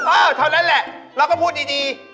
เท่านั้นแหละเราก็พูดดี